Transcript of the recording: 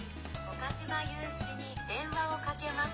「岡嶋裕史に電話をかけます」。